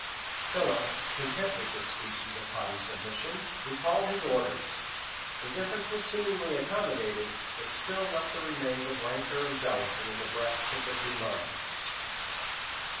Philip, content with this species of haughty submission, recalled his orders:[] the difference was seemingly accommodated, but still left the remains of rancor and jealousy in the breasts of the two monarchs.